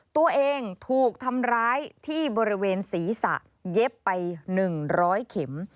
ตัวเองถูกทำร้ายที่บริเวณศีรษะเย็บไป๑๐๐เข็ม